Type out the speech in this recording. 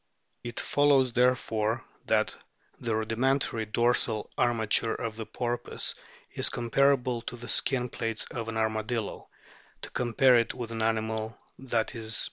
It follows, therefore, that the rudimentary dorsal armature of the porpoise is comparable to the skin plates of an armadillo to compare it with an animal that is nearer to it in the PLATE FlG.